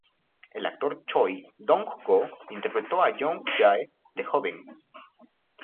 El actor Choi Dong-goo interpretó a Young-jae de joven.